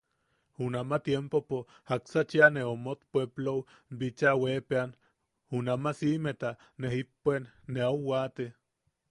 Junama tiempopo jaksa cheʼa ne omot, puepplou bicha weepeʼean, junnama siʼimeta ne jippuen, ne au waate.